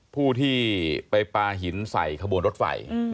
ผู้ที่ไปปลาหินใส่ขบวนรถไฟ